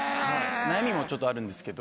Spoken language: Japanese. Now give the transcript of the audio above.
悩みもちょっとあるんですけど。